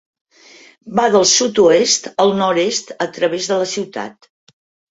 Va del sud-oest al nord-est a través de la ciutat.